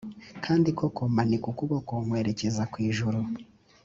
kandi koko, manika ukuboko nkwerekeza ku ijuru.